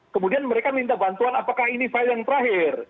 kemudian mereka minta bantuan apakah ini file yang terakhir